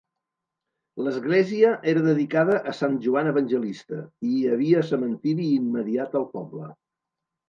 L'església era dedicada a sant Joan Evangelista, i hi havia cementiri immediat al poble.